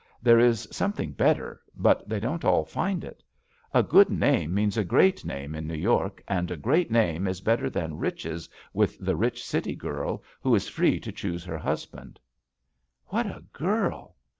There is something better, but they don't all find it. A good name means a great name in New York and a great name is better than riches with the rich city girl who is free to choose her husband." "What a girl!